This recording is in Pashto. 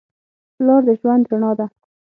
پلار د ژوند رڼا ده.